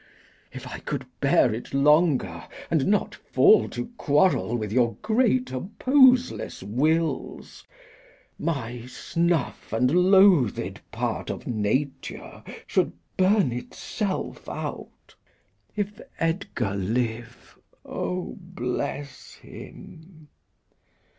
If I could bear it longer and not fall To quarrel with your great opposeless wills, My snuff and loathed part of nature should Burn itself out. If Edgar live, O, bless him!